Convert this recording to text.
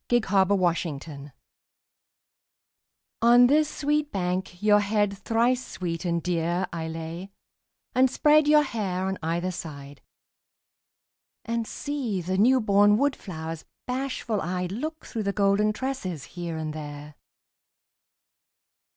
YOUTH'S SPRING TRIBUTE On this sweet bank your head thrice sweet and dear I lay, and spread your hair on either side, And see the newborn wood flowers bashful eyed Look through the golden tresses here and there.